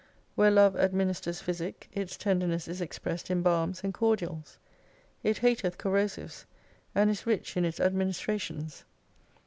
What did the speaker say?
"Where Love administers physic, its tenderness is expressed in balms and cordials. It hateth corrosives, and is rich in its administrations.